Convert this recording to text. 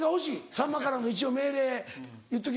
さんまからの一応命令言っときます。